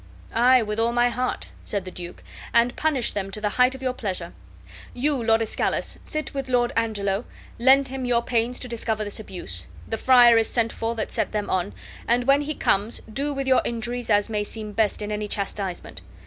"Aye, with all my heart," said the duke, "and punish them to the height of your pleasure. You, Lord Escalus, sit with Lord Angelo, lend him your pains to discover this abuse; the friar is sent for that set them on, and when he comes do with your injuries as may seem best in any chastisement.